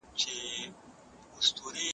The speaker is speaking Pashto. رایه ورکول د ډیموکراسۍ اصلي ستنه ده.